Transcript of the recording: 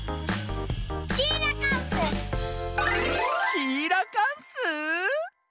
シーラカンス！